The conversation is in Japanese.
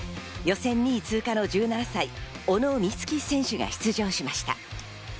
予選２位通過の１７歳、小野光希選手が出場しました。